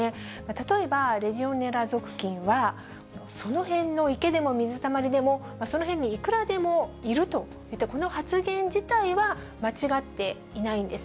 例えばレジオネラ属菌は、その辺の池でも水たまりでも、その辺にいくらでもいるといった、この発言自体は間違っていないんです。